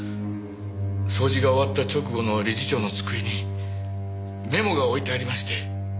掃除が終わった直後の理事長の机にメモが置いてありまして。